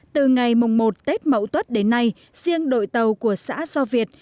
từ ngày mùng một tết mậu tuất đến nay riêng đội tàu của xã do việt